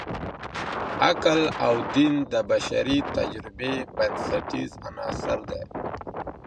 عقل او دین د بشري تجربې بنسټیز عناصر دي.